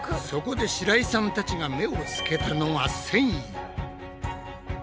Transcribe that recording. そこで白井さんたちが目をつけたのが繊維。